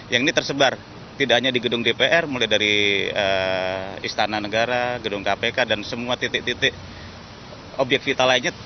yang ini tersebar tidak hanya di gedung dpr mulai dari istana negara gedung kpk dan semua titik titik obyek vital lainnya